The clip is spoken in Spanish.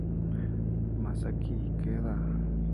Masaki Ikeda